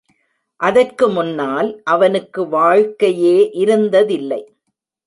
அதற்கு முன்னால் அவனுக்கு வாழ்க்கையே இருந்ததில்லை.